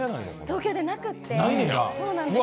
東京ではなくって。